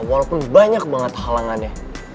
walaupun banyak banget halangannya